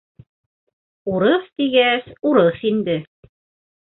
Урыҫ тигәс, урыҫ инде!